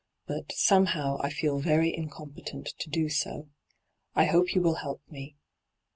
'But, somehow, I feel very incompetent to do so. I hope you will help me.